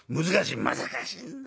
「難しいんだ